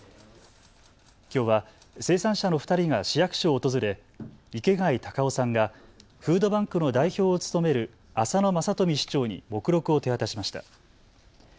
きょうは生産者の２人が市役所を訪れ池貝孝雄さんがフードバンクの代表を務める浅野正富市長に目録を手渡しました。